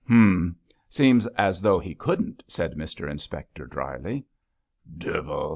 'Humph! seems as though he couldn't,' said Mr Inspector, dryly. 'Duvel!